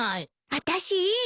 あたしいい。